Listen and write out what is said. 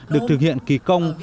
được thực hiện kỳ công